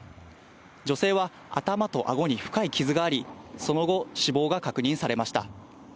女性は頭とあごに深い傷があり、その後、死亡が確認されました。